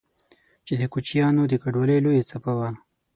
چې د کوچيانو د کډوالۍ لويه څپه وه